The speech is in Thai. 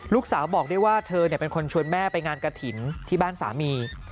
ลูกสาวบอกได้ว่าเธอเป็นคนชวนแม่ไปงานกระถิ่นที่บ้านสามี